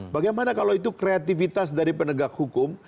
bagaimana kalau itu kreativitas dari penegak hukum